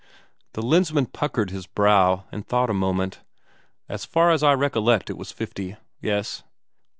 The Lensmand puckered his brow and thought a moment. "As far as I recollect it was fifty. Yes...."